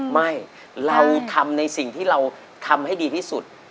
ไม่เราทำในสิ่งที่เราทำให้ดีที่สุด